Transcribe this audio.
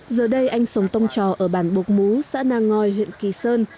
giờ đây anh sống tông trò ở bản buộc mú xã nang ngòi huyện kỳ sơn